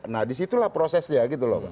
nah disitulah prosesnya